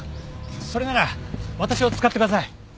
それなら私を使ってください。